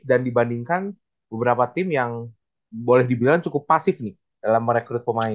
dan dibandingkan beberapa tim yang boleh dibilang cukup pasif nih dalam merekrut pemain